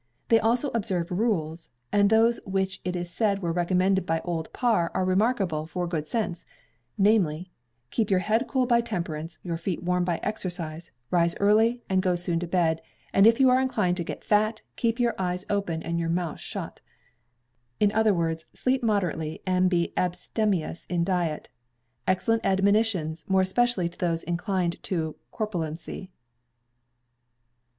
They also observe rules; and those which it is said were recommended by Old Parr are remarkable for good sense; namely, "Keep your head cool by temperance, your feet warm by exercise; rise early, and go soon to bed; and if you are inclined to get fat, keep your eyes open and your mouth shut," in other words, sleep moderately, and be abstemious in diet; excellent admonitions, more especially to these inclined to corpulency.